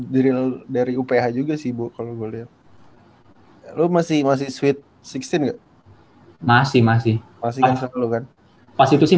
drill dari uph juga sibuk kalau gue lihat lu masih masih sweet enam belas masih masih masih masih